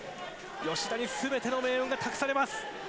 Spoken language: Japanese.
芳田にすべての命運が託されます。